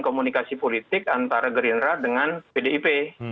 komunikasi politik antara gerindra dengan pdip